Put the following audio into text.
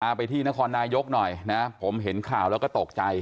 ไปที่นครนายกหน่อยนะผมเห็นข่าวแล้วก็ตกใจ